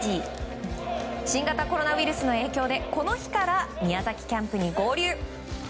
新型コロナウイルスの影響でこの日から宮崎キャンプに合流。